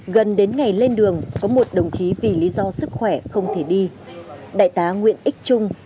gần đến ngày lên đường có một đồng chí vì lý do sức khỏe không thể đi đại tá nguyễn ích trung